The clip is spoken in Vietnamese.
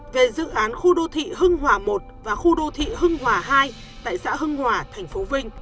về dự án khu đô thị hưng hòa i và khu đô thị hưng hòa hai tại xã hưng hòa tp vinh